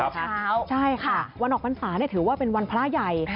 เช้าใช่ค่ะวันออกพรรษาถือว่าเป็นวันพระใหญ่